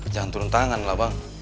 jangan turun tangan lah bang